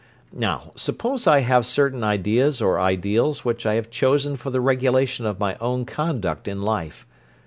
Now, suppose I have certain ideas or ideals which I have chosen for the regulation of my own conduct in life.